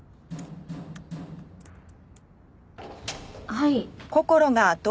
はい。